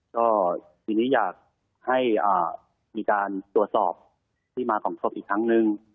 ก็ทีนี้อยากให้มีการตรวจสอบที่มาของศพอีกครั้งนึง